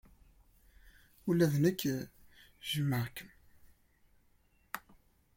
Ula d nekk jjmeɣ-kem.